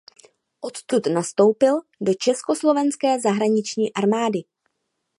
Odtud nastoupil do československé zahraniční armády.